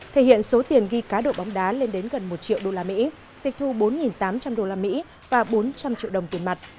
thể hiện số tiền ghi cá độ bóng đá lên đến gần một triệu usd tịch thu bốn tám trăm linh usd và bốn trăm linh triệu đồng tiền mặt